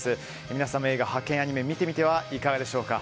皆さんも映画「ハケンアニメ！」見てみてはいかがでしょうか。